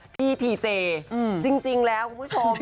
ทีเจจริงแล้วคุณผู้ชม